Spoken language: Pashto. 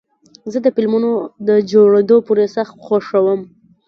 زه د فلمونو د جوړېدو پروسه خوښوم.